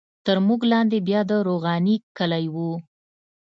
تر موږ لاندې بیا د روغاني کلی وو.